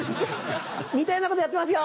似たようなことやってますよ！